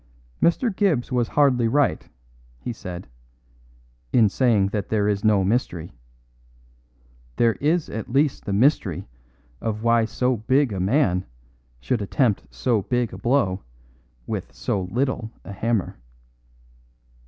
"Mr. Gibbs was hardly right," he said, "in saying that there is no mystery. There is at least the mystery of why so big a man should attempt so big a blow with so little a hammer."